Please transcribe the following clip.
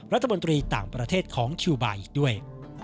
รัฐมนตรีต่างประเทศของคิวบาร์อีกด้วย